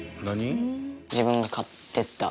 自分が買ってきた